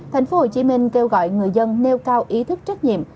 thành phố hồ chí minh kêu gọi người dân nêu cao ý thức trách nhiệm